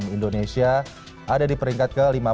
indonesia ada di peringkat ke lima puluh